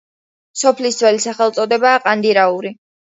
სოფლის ძველი სახელწოდებაა ყანდიაური.